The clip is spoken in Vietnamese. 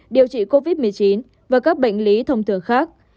điều trị covid một mươi chín và các bệnh lý thông thường khác